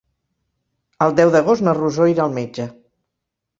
El deu d'agost na Rosó irà al metge.